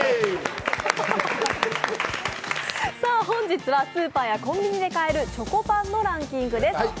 本日はスーパーやコンビニで買えるチョコパンのランキングです。